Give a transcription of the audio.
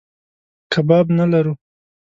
کباب نه لرو.